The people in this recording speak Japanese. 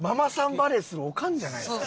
バレーするオカンじゃないですか。